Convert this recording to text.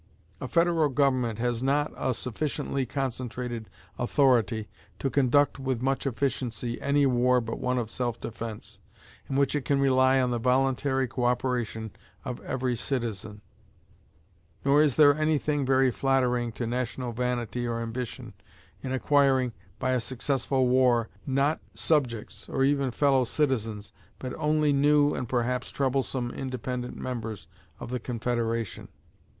A federal government has not a sufficiently concentrated authority to conduct with much efficiency any war but one of self defense, in which it can rely on the voluntary co operation of every citizen; nor is there any thing very flattering to national vanity or ambition in acquiring, by a successful war, not subjects, nor even fellow citizens, but only new, and perhaps troublesome independent members of the confederation.